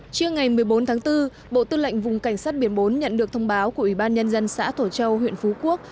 trưa ngày một mươi bốn tháng bốn bộ tư lệnh vùng cảnh sát biển bốn nhận được thông báo của ủy ban nhân dân xã thổ châu huyện phú quốc